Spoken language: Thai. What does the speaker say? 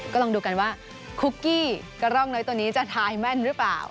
ก็ลองดูกันว่าคุกกี้กระร่องน้อยตัวนี้จะทายแม่นหรือเปล่า